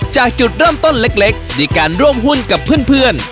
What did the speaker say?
จากจุดเริ่มต้นเล็กในการร่วมหุ้นกับเพื่อน